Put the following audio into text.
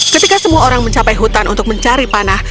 ketika semua orang mencapai hutan untuk mencari panah